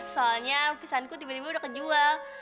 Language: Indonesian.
soalnya lukisanku tiba tiba udah kejual